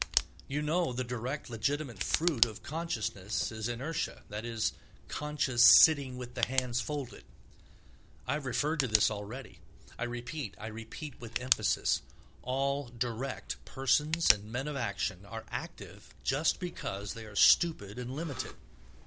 You know the direct, legitimate fruit of consciousness is inertia, that is, conscious sitting with the hands folded. I have referred to this already. I repeat, I repeat with emphasis: all "direct" persons and men of action are active just because they are stupid and limited.